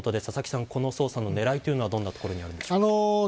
佐々木さん、狙いはどんなところにあるんでしょう。